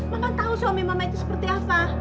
maka tahu suami mama itu seperti apa